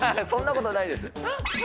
そんなことないです。